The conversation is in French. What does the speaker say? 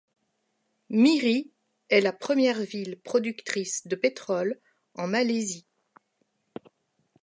Miri est la première ville productrice de pétrole en Malaisie.